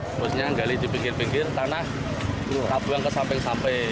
terusnya menggali di pinggir pinggir tanah kapu yang ke samping samping